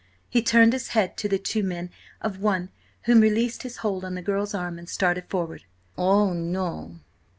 He turned his head to the two men, one of whom released his hold on the girl's arm and started forward. "Oh, no!"